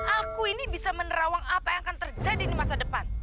aku ini bisa menerawang apa yang akan terjadi di masa depan